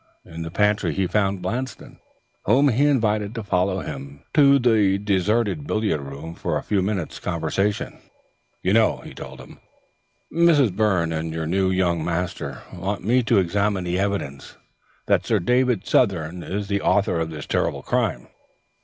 In the pantry he found Blanston, whom he invited to follow him to the deserted billiard room for a few minutes' conversation. "You know," he told him, "Miss Byrne and your new young master want me to examine the evidence that Sir David Southern is the author of this terrible crime."